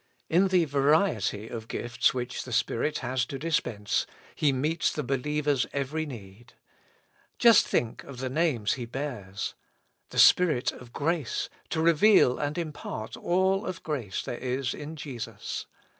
In the variety of the gifts which the Spirit has to to dispense. He meets the believer's every need. 58 With Christ in the School of Prayer. Just think of the names He bears. The Spirit of grace, to reveal and impart all of grace there is in Jesus.